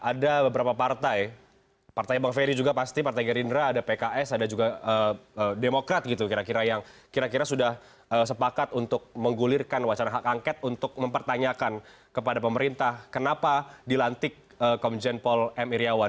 ada beberapa partai partai bang ferry juga pasti partai gerindra ada pks ada juga demokrat gitu kira kira yang kira kira sudah sepakat untuk menggulirkan wacana hak angket untuk mempertanyakan kepada pemerintah kenapa dilantik komjen paul m iryawan